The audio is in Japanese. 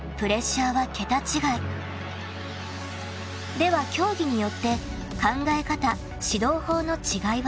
［では競技によって考え方指導法の違いは？］